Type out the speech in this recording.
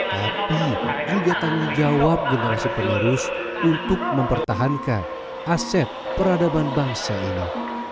tapi juga tanggung jawab generasi penerus untuk mempertahankan aset peradaban bangsa ini